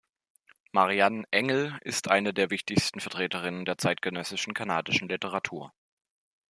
Marian Engel ist eine der wichtigsten Vertreterinnen der zeitgenössischen kanadischen Literatur.